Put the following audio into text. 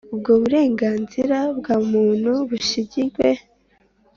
ubwo burenganzira bwa muntu bushyigirwe